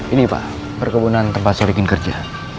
ini pak perkebunan tempat saya bikin kerja